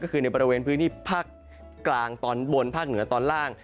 ก็คือในบริเวณพื้นที่ภาคกลางตอนบนภาคเหนือตอนล่าง